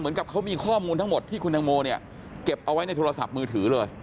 เหมือนกับเขามีข้อมูลทั้งหมดที่คุณตังโมเนี่ยเก็บเอาไว้ในโทรศัพท์มือถือเลย